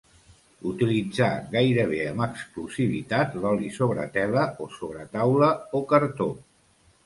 Utilitzà gairebé amb exclusivitat l’oli sobre tela o sobre taula o cartó.